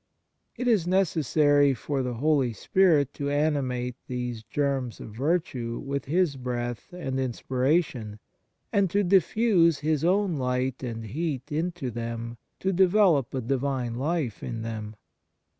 It is necessary for the Holy Spirit to animate these germs of virtue with His breath and inspiration, and to diffuse His own light and heat into them to develop a Divine life in them.